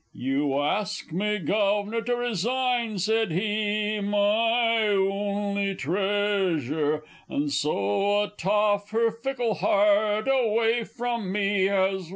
_ "You ask me, gov'nor, to resign," said he, "my only treasure, And so a toff her fickle heart away from me has won!"